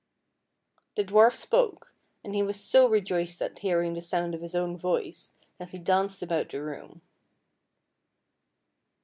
The dwarf spoke, and he was so rejoiced at hearing the sound of his own voice that he danced about the room.